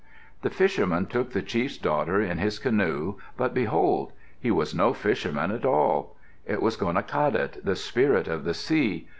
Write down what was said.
The fisherman took the chief's daughter in his canoe. But behold! he was no fisherman at all. It was Gonaqadet, the spirit of the sea.